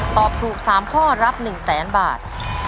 ตอบถูกสามข้อรับหนึ่งแสนบาท